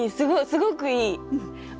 すごくいい。